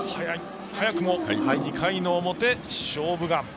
早くも２回の表「勝負眼」。